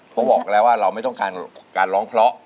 เพราะบอกแล้วว่าเราไม่ต้องการการร้องเพราะ